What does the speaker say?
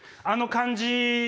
あの感じ